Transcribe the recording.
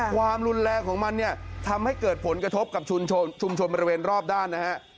ความรุนแรงของมันเนี่ยทำให้เกิดผลกระทบกับชุมชนบริเวณรอบด้านนะฮะ